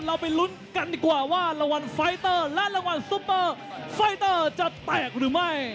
เราไปลุ้นกันดีกว่าว่ารางวัลไฟเตอร์และรางวัลซุปเปอร์ไฟเตอร์จะแตกหรือไม่